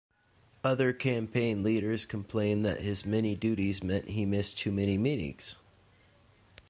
Other campaign leaders complained that his many duties meant he missed too many meetings.